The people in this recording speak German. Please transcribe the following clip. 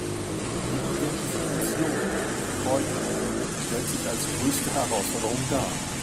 Die Identifikation der Kräuter stellt sich als größte Herausforderung dar.